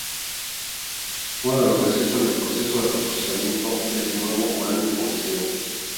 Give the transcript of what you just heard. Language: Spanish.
Uno de los desechos del proceso de reprocesamiento es, de nuevo, uranio empobrecido.